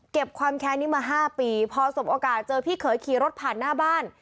ความแค้นนี้มา๕ปีพอสมโอกาสเจอพี่เขยขี่รถผ่านหน้าบ้าน